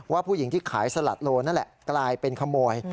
ผู้หญิงที่ขายสลัดโลนั่นแหละกลายเป็นขโมย